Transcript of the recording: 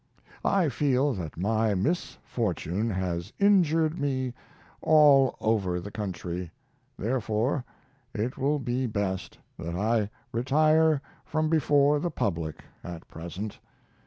I feel that my misfortune has injured me all over the country; therefore it will be best that I retire from before the public at present.